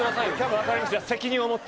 わかりました。